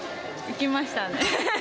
いきましたね。